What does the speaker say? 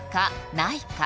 ないか？